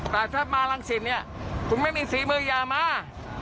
แต่ถ้ามารังสิตเนี่ยคุณไม่มีฝีมืออย่ามา